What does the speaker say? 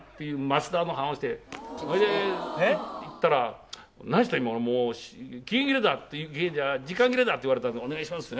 「それで行ったら“何してる今頃もう期限切れだ時間切れだ”って言われたので“お願いします”って。